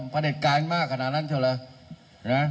ประเด็จการมาขนาดนั้นเท่าไร